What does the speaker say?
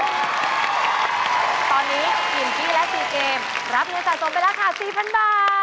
ตอนนี้พิงกี้และซีเกมรับเงินสะสมไปแล้วค่ะ๔๐๐๐บาท